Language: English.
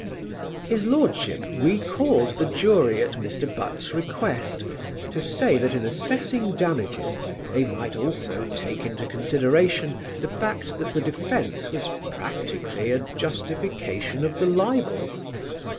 His Lordship recalled the jury at Mr. Butt's request to say that in assessing damages they might also take into consideration the fact that the defence was practically a justification of the libel.